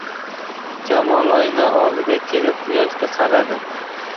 Jamol oyna oldiga kelib quyoshga qaradi